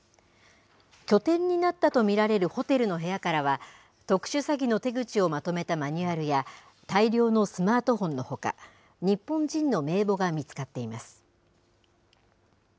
拠点になったと見られるホテルの部屋からは、特殊詐欺の手口をまとめたマニュアルや、大量のスマートフォンのほか、日本人の名簿が見つかっています。